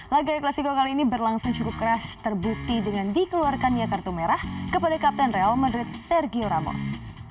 laga klasiko kali ini berlangsung cukup keras terbukti dengan dikeluarkannya kartu merah kepada kapten real madrid sergio ramos